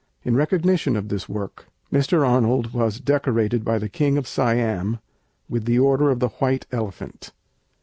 In recognition of this work Mr. Arnold was decorated by the King of Siam with the Order of the White Elephant.